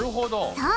そう！